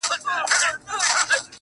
o مړه راگوري مړه اكثر.